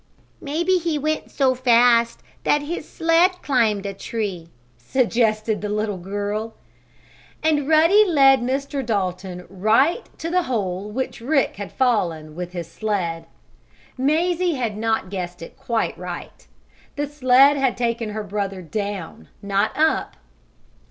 "Maybe he went so fast that his sled climbed a tree," suggested the little girl. And Ruddy led Mr. Dalton right to the hole down which Rick had fallen with his sled. Mazie had not guessed it quite right. The sled had taken her brother down, not up.